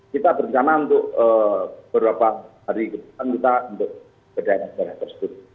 kita bercama untuk beberapa hari ke depan kita untuk beda negara tersebut